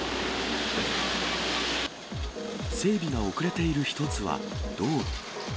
整備が遅れている一つは道路。